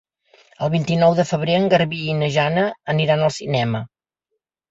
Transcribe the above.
El vint-i-nou de febrer en Garbí i na Jana aniran al cinema.